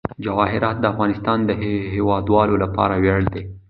جواهرات د افغانستان د هیوادوالو لپاره ویاړ دی.